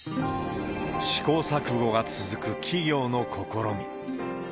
試行錯誤が続く企業の試み。